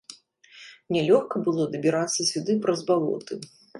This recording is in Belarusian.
Нялёгка было дабірацца сюды праз балоты.